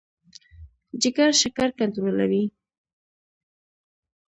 جګر شکر کنټرولوي.